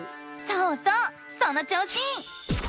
そうそうその調子！